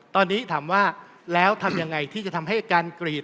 ตอนนี้ถามว่าแล้วทำยังไงที่จะทำให้อาการกรีด